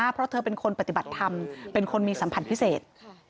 เพราะเธอเป็นคนปฏิบัติธรรมเป็นคนมีสัมผัสพิเศษ